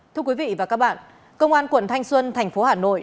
thưa quý vị và các bạn công an quận thanh xuân thành phố hà nội